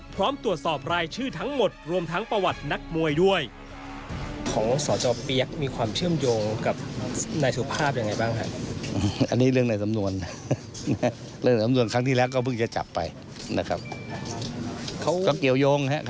พร้อมตรวจสอบรายชื่อทั้งหมดรวมทั้งประวัตินักมวยด้วย